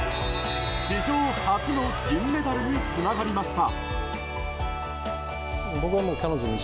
史上初の銀メダルにつながりました。